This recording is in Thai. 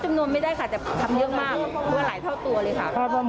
คือวันนี้แหละค่ะอยากให้ทุกท่านมา